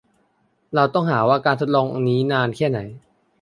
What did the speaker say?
เราต้องหาว่าการทดลองนี้นานแค่ไหน